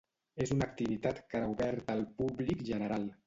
És una activitat cara oberta al públic general.